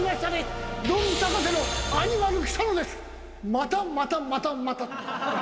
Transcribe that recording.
またまたまたまた。